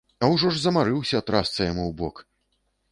А ўжо ж замарыўся, трасца яму ў бок!